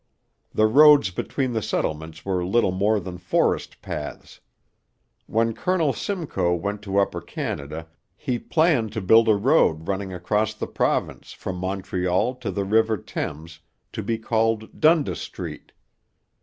The roads between the settlements were little more than forest paths. When Colonel Simcoe went to Upper Canada he planned to build a road running across the province from Montreal to the river Thames, to be called Dundas Street.